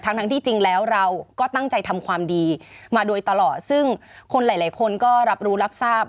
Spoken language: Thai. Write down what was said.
ทั้งทั้งที่จริงแล้วเราก็ตั้งใจทำความดีมาโดยตลอดซึ่งคนหลายหลายคนก็รับรู้รับทราบ